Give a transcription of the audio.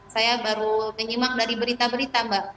saya baru menyimak dari berita berita mbak